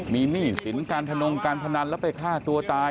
มีหนี้สินการพนงการพนันแล้วไปฆ่าตัวตาย